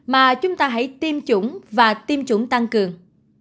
mà chúng ta hãy tiêm chủng và tiêm chủng tăng cường